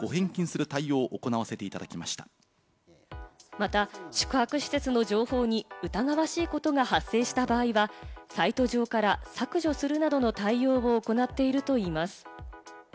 また、宿泊施設の情報に疑わしいことが発生した場合は、サイト上から削除するなどの対応を行っているといいます。